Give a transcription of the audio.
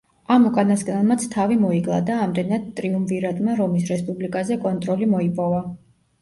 ამ უკანასკნელმაც თავი მოიკლა და ამდენად, ტრიუმვირატმა რომის რესპუბლიკაზე კონტროლი მოიპოვა.